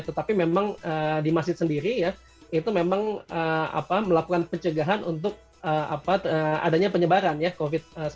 tetapi memang di masjid sendiri ya itu memang melakukan pencegahan untuk adanya penyebaran covid sembilan belas